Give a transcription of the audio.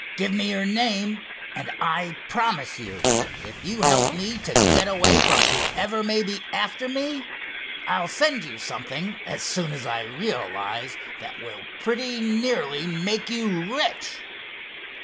Give me your name, and I promise you, if you help me to get away from whoever may be after me, I'll send you something, as soon as I realize, that will pretty nearly make you rich."